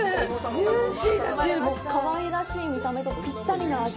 ジューシーだしかわいらしい見た目とぴったりな味。